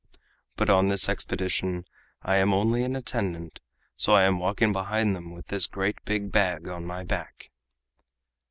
But on this expedition I am only an attendant, so I am walking behind them with this great big bag on my back."